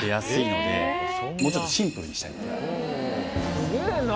すげぇな。